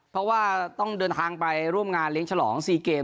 เพราะว่าต้องเดินทางไปร่วมงานเลี้ยงฉลอง๔เกม